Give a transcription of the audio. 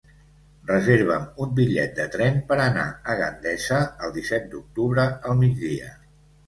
Reserva'm un bitllet de tren per anar a Gandesa el disset d'octubre al migdia.